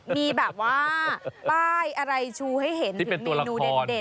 มีแบบว่าป้ายอะไรชูให้เห็นที่เป็นตัวละคร